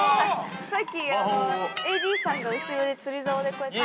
◆さっき、ＡＤさんが後ろで釣りざおで、こうやって。